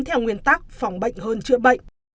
với nguyên tắc phòng bệnh hơn chữa bệnh